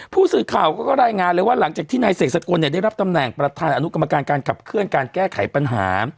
ผู้สื่อข่าวก็รายงานเลยว่าหลังจากที่นายเสกสกลได้รับตำแหน่งประธานอนุกรรมการการขับเคลื่อนการแก้ไขปัญหา